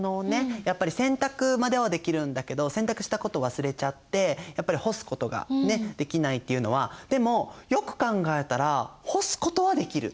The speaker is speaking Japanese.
やっぱり洗濯まではできるんだけど洗濯したこと忘れちゃってやっぱり干すことができないっていうのはでもよく考えたら干すことはできる。